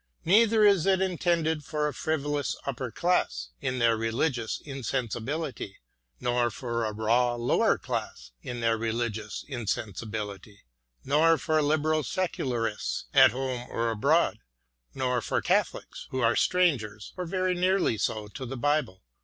... Neither is it intended for a frivolous upper class MATTHEW ARNOLD 187 in their religious insensibility, nor for a raw lower class in their religious insensibility, nor for Liberal secularists at home or abroad, nor for Catholics who are strangers, or very nearly so, to the Bible.